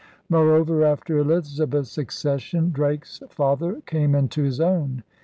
' Moreover, after Elizabeth's accession, Drake's father came into his own.